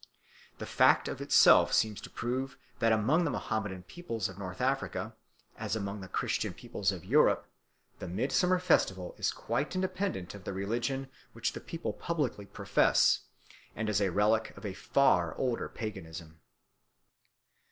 This fact of itself seems to prove that among the Mohammedan peoples of Northern Africa, as among the Christian peoples of Europe, the midsummer festival is quite independent of the religion which the people publicly profess, and is a relic of a far older paganism.